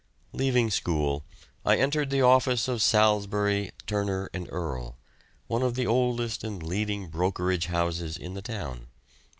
Leaving school I entered the office of Salisbury, Turner and Earle, one of the oldest and leading brokerage houses in the town.